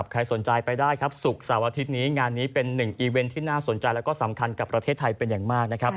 ใครสนใจไปได้ครับศุกร์เสาร์อาทิตย์นี้งานนี้เป็นหนึ่งอีเวนต์ที่น่าสนใจแล้วก็สำคัญกับประเทศไทยเป็นอย่างมากนะครับ